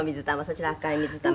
そちらは赤い水玉。